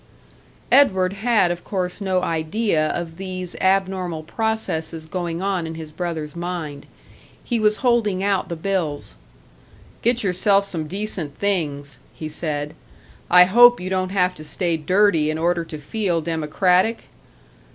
Edward had of course no idea of these abnormal processes going on in his brother's mind. He was holding out the bills. "Get yourself some decent things," he said. "I hope you don't have to stay dirty in order to feel democratic?"